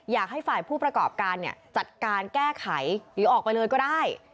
อยากให้ฝ่ายผู้ประกอบการจัดการแก้ไขหรือออกไปเลยก็ได้